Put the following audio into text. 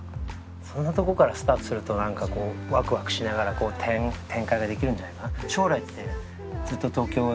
そんなとこからスタートするとなんかこうワクワクしながら展開ができるんじゃないかな。